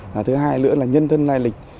và thứ hai nữa là nhân thân lai lịch